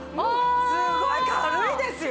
すごい軽いですよ！